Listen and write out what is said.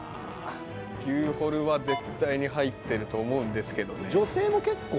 牛ホルは絶対に入ってると思うんですけどね。